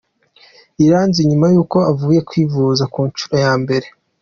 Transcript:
Iranzi nyuma y'uko avuye kwivuza ku nshuro ya mbere.